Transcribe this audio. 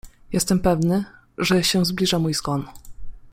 — Jestem pewny, że się zbliża mój zgon.